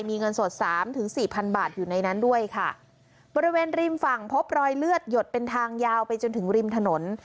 มีเงินสดสามถึงสี่พันบาทอยู่ในนั้นด้วยค่ะบริเวณริมฝั่งพบรอยเลือดหยดเป็นทางยาวไปจนถึงริมถนน